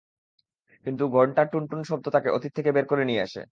কিন্তু ঘণ্টার টুনটুন শব্দ তাকে অতীত থেকে বের করে নিয়ে আসে।